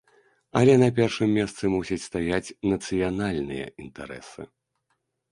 Але на першым месцы мусяць стаяць нацыянальныя інтарэсы.